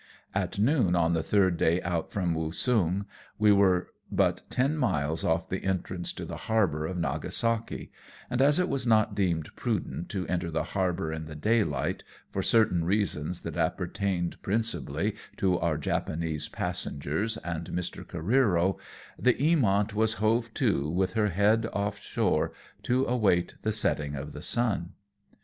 At noon on the third day out from Woosung, we were but ten miles ofi' the entrance to the harbour of Nagasaki, and as it was not deemed prudent to enter the harbour in the daylight, for certain reasons that appertained principally to our Japanese passengers and Mr. Careero, the Eamont was hove to with her head off shore to await the setting of the sun.